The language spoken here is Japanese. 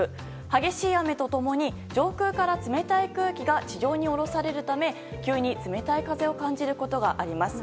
激しい雨と共に上空から冷たい空気が地上に下ろされるため急に冷たい風を感じることがあります。